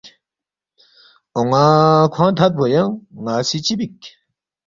”اون٘ا کھوانگ تھدفو ینگ ن٘ا سی چِہ بیک